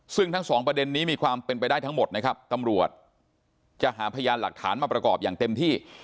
ซึ่งทั้งสองประเด็นนี้มีความเป็นไปได้ทั้งหมดนะครับตำรวจจะหาพยานหลักฐานมาประกอบอย่างเต็มที่